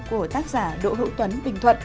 của tác giả đỗ hữu tuấn bình thuận